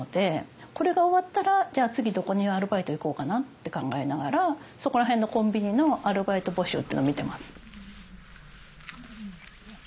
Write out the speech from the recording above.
これが終わったらじゃあ次どこにアルバイト行こうかなって考えながらそこら辺のコンビニのアルバイト募集っていうの見てます。